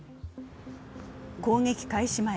攻撃開始